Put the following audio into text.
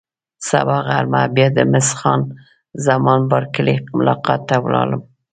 سبا غرمه بیا د مس خان زمان بارکلي ملاقات ته ولاړم.